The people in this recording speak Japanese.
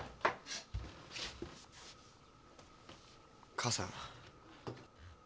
母さん。